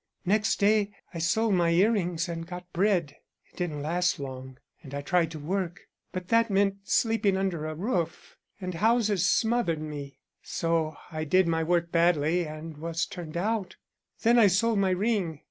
Next day I sold my earrings and got bread. It didn't last long and I tried to work, but that meant sleeping under a roof, and houses smothered me, so I did my work badly and was turned out. Then I sold my ring.